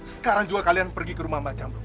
biar itu jadi urusan saya